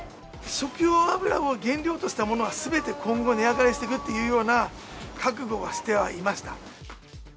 食用油を原料としたものは、すべて今後、値上がりしていくというような覚悟はしてはいました。